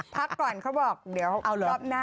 พักก่อนเขาบอกเดี๋ยวรอบหน้า